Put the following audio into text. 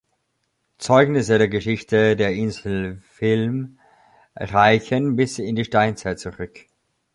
Zeugnisse der Geschichte der Insel Vilm reichen bis in die Steinzeit zurück.